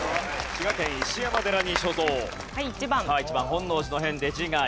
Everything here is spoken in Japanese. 本能寺の変で自害。